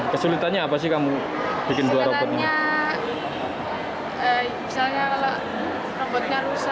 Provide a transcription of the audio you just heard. kesulitannya apa sih kamu bikin dua robot